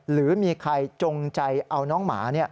หรือมีใครจงใจเอาน้องหมา